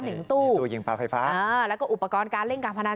หนึ่งตู้ตู้ยิงปลาไฟฟ้าอ่าแล้วก็อุปกรณ์การเล่นการพนัน